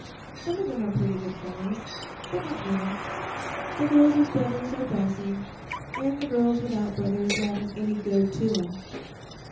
"Some of 'em are pretty good fellows, but not many. The girls with brothers are bossy, an' the girls without brothers haven't any 'go' to 'em.